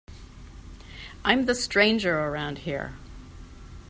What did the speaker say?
I'm the stranger around here.